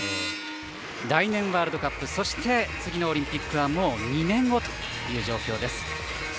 来年ワールドカップそして、次のオリンピックはもう２年後という状況です。